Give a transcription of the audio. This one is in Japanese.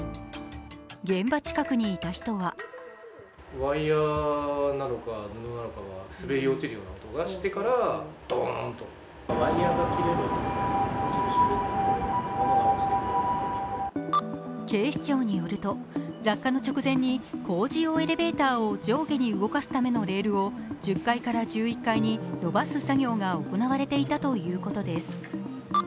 現場近くにいた人は警視庁によると、落下の直前に工事用エレベーターを上下に動かすためのレールを１０階から１１階に伸ばす作業が行われていたということです。